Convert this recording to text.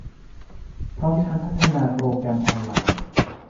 พร้อมทั้งพัฒนาโปรแกรมออนไลน์